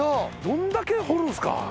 どんだけ掘るんですか？